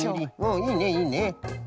うんいいねいいね。